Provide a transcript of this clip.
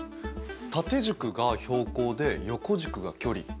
縦軸が標高で横軸が距離。